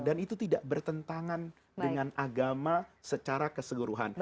dan itu tidak bertentangan dengan agama secara keseguruhan